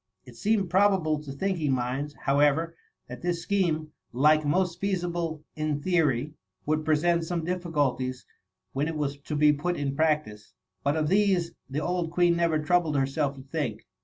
It seemed probable to thinking minds, however, that this scheme, like most feasible in theory, would present some difficulties when it was to be put in practice ; but of these, the old Queen never troubled her self to think.